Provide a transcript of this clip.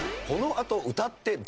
このあと歌って。